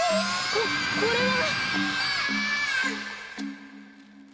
ここれは！？